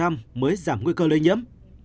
mới giảm nguy cơ lây nhiễm